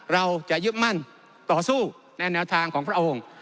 เราจะยึดมั่นต่อสู้ในแนวทางของพระองค์